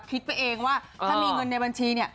คิดไปเองว่าถ้ามีเงินในบัญชีเนี่ย